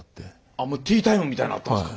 あっもうティータイムみたいのあったんですか？